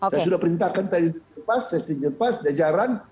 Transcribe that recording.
saya sudah perintahkan tadi di jepas saya sedang di jepas di jaran